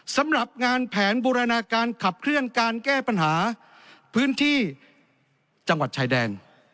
สำหรับงานแผนบูรณาการขับเคลื่อนการแก้ปัญหาพื้นที่จังหวัดชายแดน